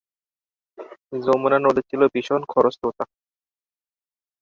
যমুনা নদী ছিল ভীষণ খরস্রোতা।